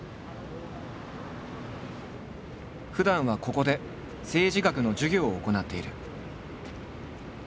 ふだんはここで政治学の授業を行っている。